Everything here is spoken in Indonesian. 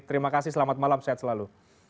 terima kasih selamat malam sehat selalu